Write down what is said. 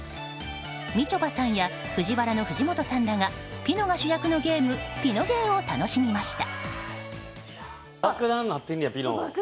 みちょぱさんやＦＵＪＩＷＡＲＡの藤本さんらがピノが主役のゲームピノゲーを楽しみました。